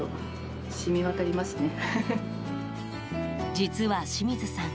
実は清水さん